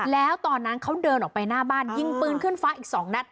แล้วตอนนั้นเขาเดินออกไปหน้าบ้านยิงปืนขึ้นฟ้าอีก๒นัด